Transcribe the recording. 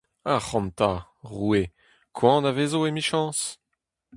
Ac'hanta, roue, koan a vezo emichañs ?